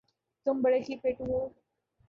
تم بڑے ہی پیٹُو ہو